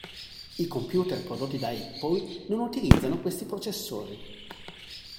I computer prodotti da Apple non utilizzano questi processori.